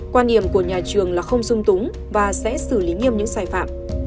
quan điểm của nhà trường là không dung túng và sẽ xử lý nghiêm những sai phạm